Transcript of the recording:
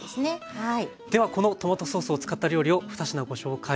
はい。